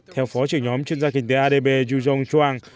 theo phó trưởng nhóm chuyên gia kinh tế adb yu jong chuang